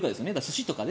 寿司とか。